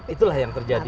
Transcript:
itulah yang terjadi